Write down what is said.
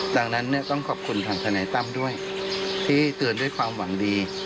ดังนั้นเนี่ยต้องขอบคุณทางทนายตั้มด้วยที่เตือนด้วยความหวังดี